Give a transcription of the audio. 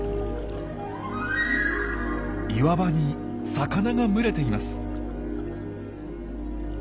岩場に魚が群れています。